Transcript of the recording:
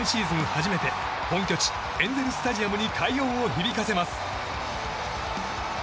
初めて本拠地エンゼル・スタジアムに快音を響かせます。